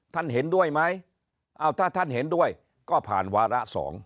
ท่านเห็นด้วยไหมถ้าท่านเห็นด้วยก็ผ่านวาระ๒